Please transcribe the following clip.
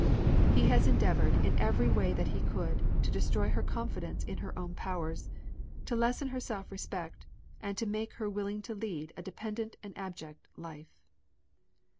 He has endeavored, in every way that he could, to destroy her confidence in her own powers, to lessen her self respect, and to make her willing to lead a dependent and abject life.